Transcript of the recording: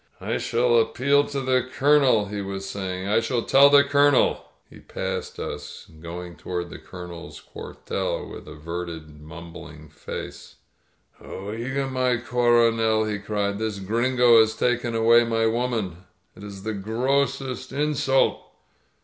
"I shall appeal to the Colonel," he was saying. I shall tell the Colonel!" He passed us, going toward the Colonel's cuartel, with averted, mumbling face, 0%ga^ mi CoronelP* he cried. This Gringo has taken away my woman. It is the grossest insult!"